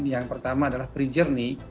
yang pertama adalah pre journey